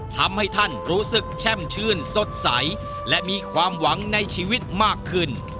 ทำให้ท่านรู้สึกแช่มชื่นสดใสและมีความหวังในชีวิตมากขึ้น